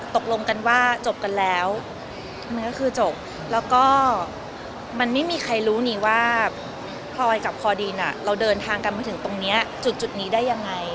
ตกลงกันว่าจบกันแล้วมันก็คือจบแล้วก็มันไม่มีใครรู้นี่ว่าพลอยกับคอดินเราเดินทางกันมาถึงตรงนี้จุดนี้ได้ยังไง